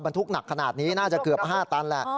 ทุกหนักขนาดนี้น่าจะเกือบ๕ตันแหละ